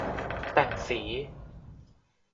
แต่งสี